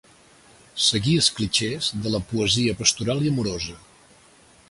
Seguí els clixés de la poesia pastoral i amorosa.